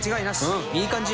うんいい感じ。